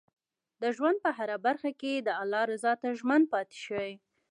د ژوند په هره برخه کې د الله رضا ته ژمن پاتې شئ.